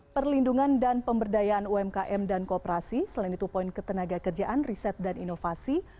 perlindungan dan pemberdayaan umkm dan kooperasi selain itu poin ketenaga kerjaan riset dan inovasi